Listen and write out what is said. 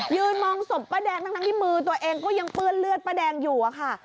มองศพป้าแดงทั้งที่มือตัวเองก็ยังเปื้อนเลือดป้าแดงอยู่อะค่ะ